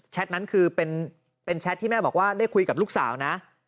นั้นคือเป็นแชทที่แม่บอกว่าได้คุยกับลูกสาวนะ